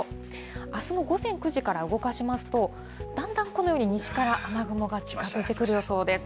あすの午前９時から動かしますと、だんだんこのように西から雨雲が近づいてくる予想です。